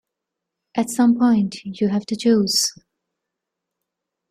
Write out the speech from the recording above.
At some point, you have to choose.